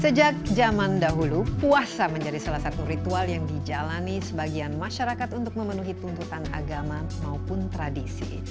sejak zaman dahulu puasa menjadi salah satu ritual yang dijalani sebagian masyarakat untuk memenuhi tuntutan agama maupun tradisi